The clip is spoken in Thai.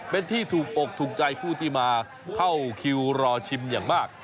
เป็นที่ถูกอกถูกใจผู้ที่มาเข้าคิวรอชิมอย่างมาก